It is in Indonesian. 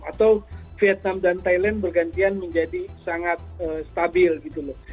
atau vietnam dan thailand bergantian menjadi sangat stabil gitu loh